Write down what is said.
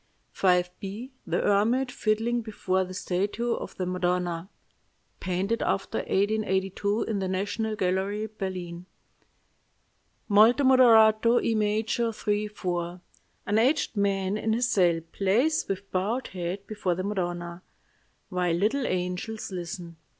"V_b._ THE HERMIT FIDDLING BEFORE THE STATUE OF THE MADONNA (Painted after 1882; in the National Gallery, Berlin) "Molto moderato, E major, 3 4. An aged man in his cell plays with bowed head before the Madonna, while little angels listen.